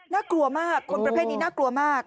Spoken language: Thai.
น่ากลัวมากคนประเภทนี้น่ากลัวมาก